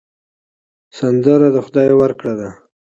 سندره د خدای ورکړه ده